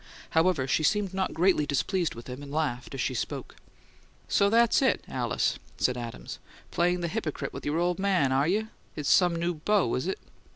However, she seemed not greatly displeased with him, and laughed as she spoke. "So that's it, Alice!" said Adams. "Playing the hypocrite with your old man, are you? It's some new beau, is it?"